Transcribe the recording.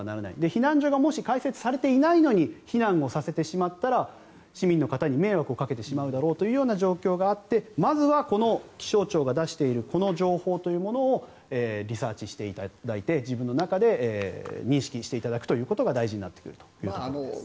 避難所がもし開設されていないのに避難をさせてしまったら市民の方に迷惑をかけてしまうだろうという状況があってまずはこの気象庁が出しているこの情報というものをリサーチしていただいて自分の中で認識していただくということが大事になってくるというところです。